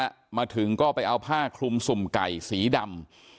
มาถึงก็ไปเอาผ้าคลุมสุ่มไก่สีดำ